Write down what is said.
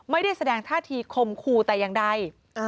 ไม่ได้แสดงท่าทีคมคู่แต่อย่างใด